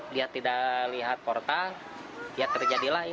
dia tidak lihat portal dia terjadi lain